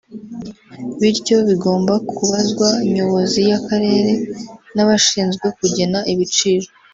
bityo bigomba kubazwa nyobozi y’Akarere n’abashinzwe kugena ibiciro